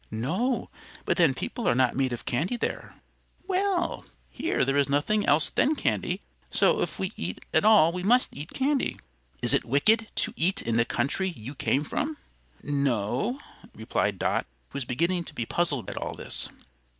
"No; but then people are not made of candy there." "Well, here there is nothing else than candy; so if we eat at all we must eat candy. Is it wicked to eat in the country you came from?" "No," replied Dot, who was beginning to be puzzled at all this.